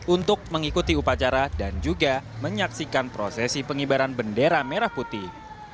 untuk mengikuti upacara dan juga menyaksikan prosesi pengibaran bendera merah putih